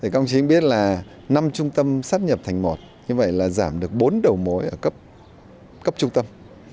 công chí biết là năm trung tâm sáp nhập thành một như vậy là giảm được bốn đầu mối ở cấp trung tâm